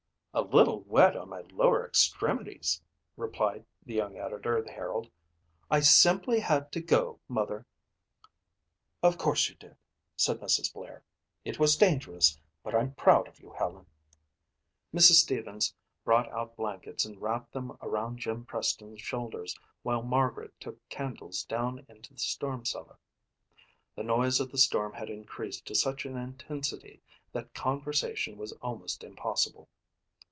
"A little wet on my lower extremities," replied the young editor of the Herald. "I simply had to go, mother." "Of course you did," said Mrs. Blair. "It was dangerous but I'm proud of you Helen." Mrs. Stevens brought out blankets and wrapped them around Jim Preston's shoulders while Margaret took candles down into the storm cellar. The noise of the storm had increased to such an intensity that conversation was almost impossible.